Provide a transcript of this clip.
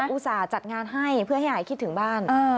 อุตส่าห์จัดงานให้เพื่อให้หายคิดถึงบ้าน